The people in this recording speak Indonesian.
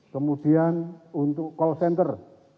kemudian untuk call center